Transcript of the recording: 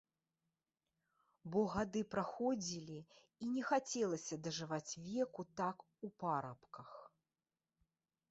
Бо гады праходзілі, і не хацелася дажываць веку так у парабках.